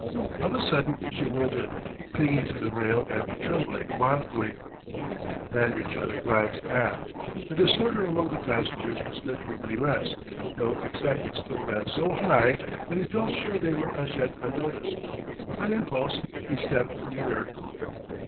Of a sudden she wilted, clinging to the rail and trembling wildly. Lanyard shot a glance aft. The disorder among the passengers was measurably less, though excitement still ran so high that he felt sure they were as yet unnoticed. On impulse he stepped nearer.